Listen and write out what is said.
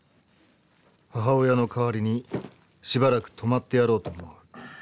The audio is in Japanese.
母親のかわりにしばらく泊まってやろうと思う。